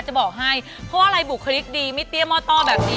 จะบอกให้เพราะว่าอะไรบุคลิกดีไม่เตี้ยหม้อต้อแบบนี้